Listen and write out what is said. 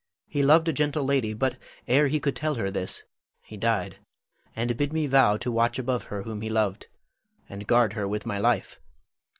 He loved a gentle lady, but ere he could tell her this, he died, and bid me vow to watch above her whom he loved, and guard her with my life.